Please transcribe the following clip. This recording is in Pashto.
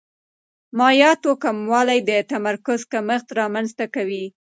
مایعاتو کموالی د تمرکز کمښت رامنځته کوي.